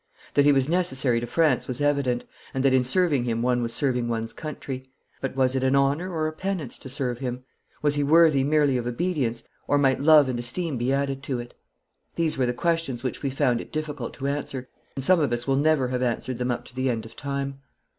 That he was necessary to France was evident, and that in serving him one was serving one's country. But was it an honour or a penance to serve him? Was he worthy merely of obedience, or might love and esteem be added to it? These were the questions which we found it difficult to answer and some of us will never have answered them up to the end of time.